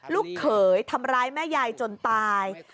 ลูกเขยทำร้ายแม่ยายจนตาย